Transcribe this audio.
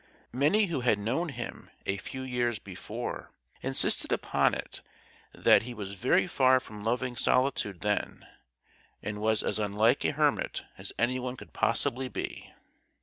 Many who had known him a few years before insisted upon it that he was very far from loving solitude then, and was as unlike a hermit as anyone could possibly be.